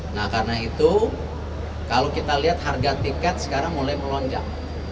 nah karena itu kalau kita lihat harga tiket sekarang mulai melonjak